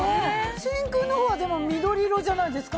真空の方はでも緑色じゃないですか？